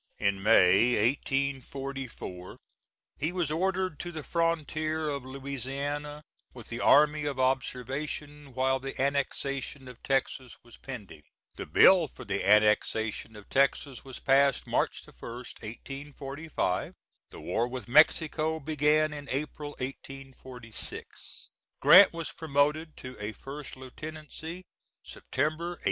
In May, 1844, he was ordered to the frontier of Louisiana with the army of observation, while the annexation of Texas was pending. The bill for the annexation of Texas was passed March 1, 1845; the war with Mexico began in April, 1846. Grant was promoted to a first lieutenancy September, 1847.